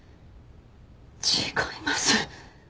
違います。